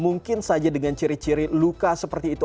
mungkin saja dengan ciri ciri luka seperti itu